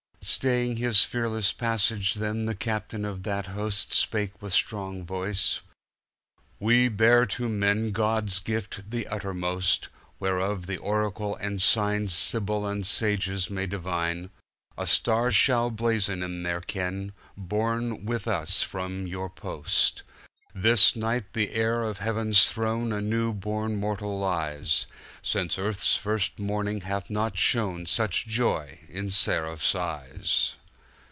Staying his fearless passage then The Captain of that hostSpake with strong voice: "We bear to men God's gift the uttermost, Whereof the oracle and signSibyl and sages may divine: A star shall blazon in their ken, Borne with us from your post."This night the Heir of Heaven's throne A new born mortal lies! Since Earth's first morning hath not shone Such joy in seraph eyes."